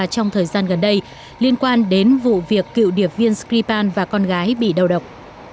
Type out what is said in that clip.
trong thời gian gần đây liên quan đến vụ việc cựu điệp viên skripal và con gái bị đau độc